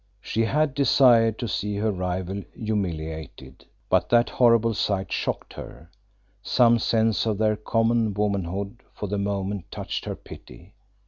She had desired to see her rival humiliated, but that horrible sight shocked her; some sense of their common womanhood for the moment touched her pity.